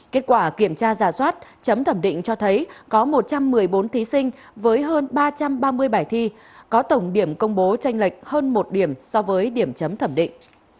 kết quả kiểm tra giả soát chấm thẩm định cho thấy có một trăm một mươi bốn thí sinh với hơn ba trăm ba mươi bài thi có tổng điểm công bố tranh lệch hơn một điểm so với điểm chấm thẩm định